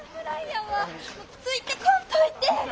・ついてこんといて！